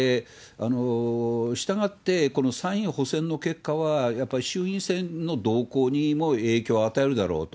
したがって、この参議院補選の結果はやっぱり衆院選の動向にも影響を与えるだろうと。